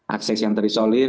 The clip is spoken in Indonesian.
akses yang terisolir